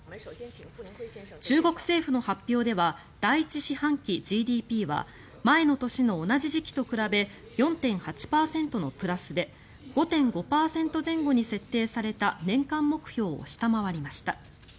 中国政府の発表では第１四半期ＧＤＰは前の年の同じ時期と比べ４．８％のプラスで５．５％前後に設定された年間目標を下回りました。